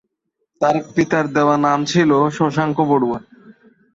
তাঁর পিতার দেওয়া নাম ছিল শশাঙ্ক বড়ুয়া।